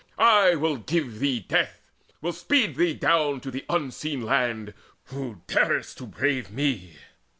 I will give thee death, will speed thee down To the Unseen Land, who darest to brave me!